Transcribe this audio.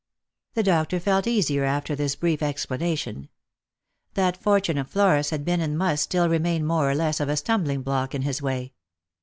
The doctor felt easier after this brief explanation. That for tune of Flora's had been and must still remain more or less of a stumbling block in his way.